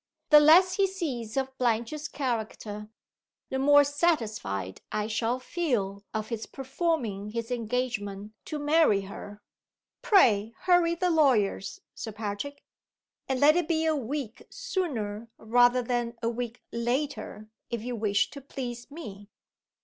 The less he sees of Blanche's character the more satisfied I shall feel of his performing his engagement to marry her. Pray hurry the lawyers, Sir Patrick, and let it be a week sooner rather than a week later, if you wish to please Me."